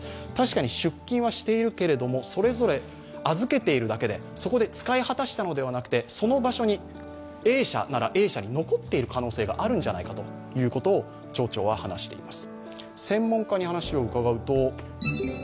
確かに出金はしているけれどもそれぞれ預けているだけでそこで使い果たしたのではなくて、その場所に、Ａ社ならＡ社に残っている可能性があるのではないかと町長は話しています。